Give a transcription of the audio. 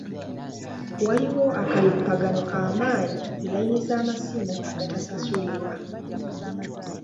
Waliwo akalippagano k'amaanyi ku layini z'amasimu agatasasulirwa.